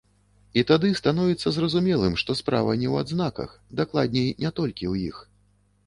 І тады становіцца зразумелым, што справа не ў адзнаках, дакладней не толькі ў іх.